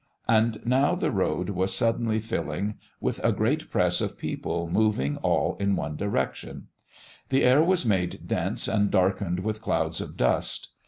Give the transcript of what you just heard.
And now the road was suddenly filling with a great press of people moving all in one direction; the air was made dense and darkened with clouds of dust.